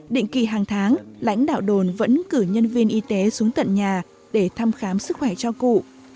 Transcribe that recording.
định kỳ hàng tháng lãnh đạo đồn vẫn cử nhân viên y tế xuống tận nhà để thăm khám sức khỏe cho cụ